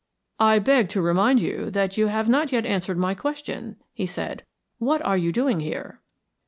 "I beg to remind you that you have not yet answered my question," he said. "What are you doing here?"